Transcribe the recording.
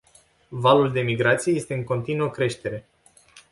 Valul de migrație este în continuă creștere.